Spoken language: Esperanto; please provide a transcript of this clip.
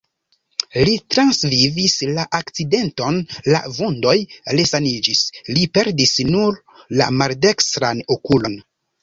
Li transvivis la akcidenton, la vundoj resaniĝis, li perdis nur la maldekstran okulon.